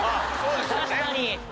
確かに！